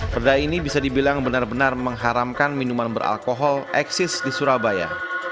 perda ini bisa dibilang benar benar mengharamkan minuman beralkohol eksis di surabaya